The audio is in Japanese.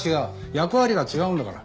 役割が違うんだから。